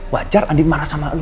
wajar andien marah sama lo al